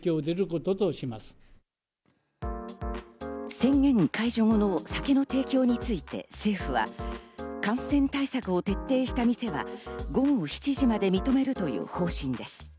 宣言解除後の酒の提供について政府は感染対策を徹底した店は午後７時まで認めるという方針です。